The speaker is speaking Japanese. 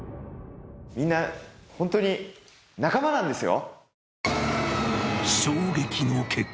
みんなホントに仲間なんですよ！